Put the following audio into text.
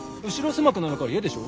狭くなるから嫌でしょ。